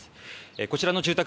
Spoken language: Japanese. こちらの住宅